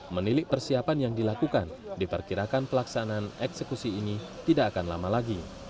menilik persiapan yang dilakukan diperkirakan pelaksanaan eksekusi ini tidak akan lama lagi